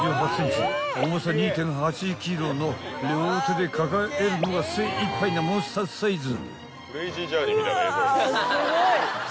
［両手で抱えるのが精いっぱいなモンスターサイズ］